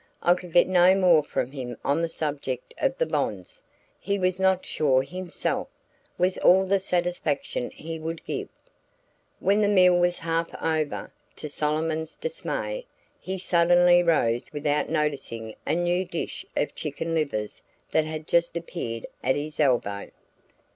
I could get no more from him on the subject of the bonds; he was not sure himself, was all the satisfaction he would give. When the meal was half over, to Solomon's dismay, he suddenly rose without noticing a new dish of chicken livers that had just appeared at his elbow.